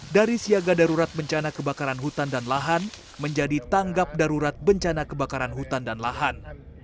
dari siaga darurat bencana kebakaran hutan dan lahan menjadi tanggap darurat bencana kebakaran hutan dan lahan